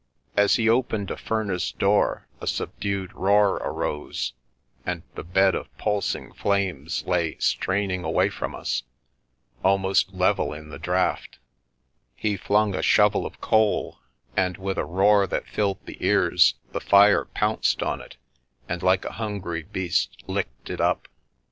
As he opened a furnace door a subdued roar arose, and the bed of pulsing flames lay straining away from us, almost level in the draught ; he flung a shovel of coal, and, with a roar that filled the ears, the fire pounced on it, and, like a hungry beast, licked it up.